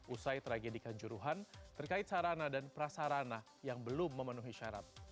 usai tragedi kanjuruhan terkait sarana dan prasarana yang belum memenuhi syarat